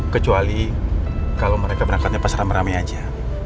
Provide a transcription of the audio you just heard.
kecuali kalau mereka berangkatnya pas rame rame aja